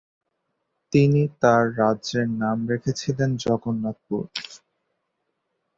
তিনি তার রাজ্যের নাম রেখেছিলেন জগন্নাথপুর।